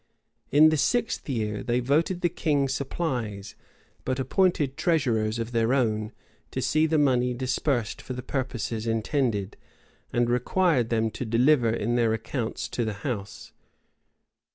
[] In the sixth year, they voted the king supplies, but appointed treasurers of their own, to see the money disbursed for the purposes intended, and required them to deliver in their accounts to the house.